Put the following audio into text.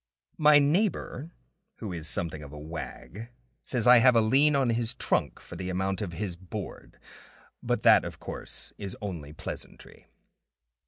My neighbor who is something of a wag says I have a lien on his trunk for the amount of his board; but that, of course, is only pleasantry.